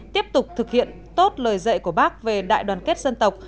tiếp tục thực hiện tốt lời dạy của bác về đại đoàn kết dân tộc